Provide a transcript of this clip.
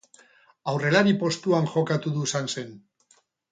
Aurrelari postuan jokatu du Sansen.